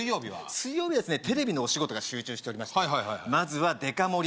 水曜日はですねテレビのお仕事が集中しておりましてまずはデカ盛り